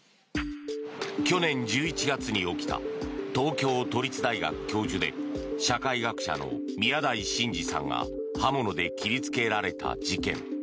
去年１１月に起きた東京都立大学教授で社会学者の宮台真司さんが刃物で切りつけられた事件。